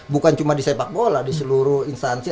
bukan cuma di sepak bola di seluruh instansi